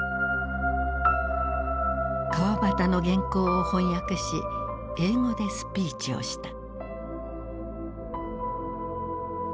川端の原稿を翻訳し英語でスピーチをした。